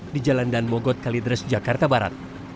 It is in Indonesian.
di jalan danmogot kalidres jakarta barat